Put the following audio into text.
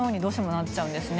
なっちゃうんですね。